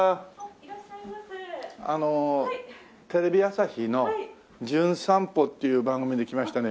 あのテレビ朝日の『じゅん散歩』っていう番組で来ましたね